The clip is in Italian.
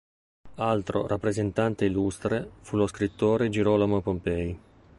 Altro rappresentante illustre fu lo scrittore Girolamo Pompei.